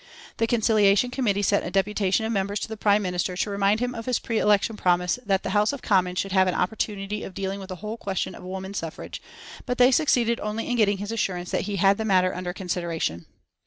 The Conciliation Committee sent a deputation of members to the Prime Minister to remind him of his pre election promise that the House of Commons should have an opportunity of dealing with the whole question of woman suffrage, but they succeeded only in getting his assurance that he had the matter under consideration.